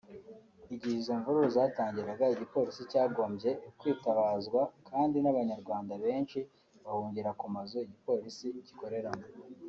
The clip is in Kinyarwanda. Igihe izo mvururu zatangiraga igipolisi cyagombye kwitabazwa kandi n'abanyarwanda benshi bahungira ku mazu igipolisi gikoreramo